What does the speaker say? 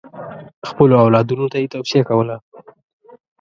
خپلو اولادونو ته یې توصیه کوله.